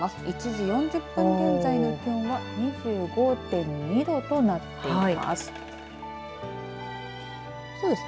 １時４０分現在の気温は２５．２度となっています。